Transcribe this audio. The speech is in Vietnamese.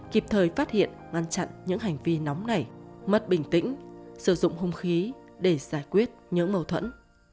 kịp thời phát hiện ngăn chặn những hành vi nóng nảy mất bình tĩnh sử dụng hung khí để giải quyết những mâu thuẫn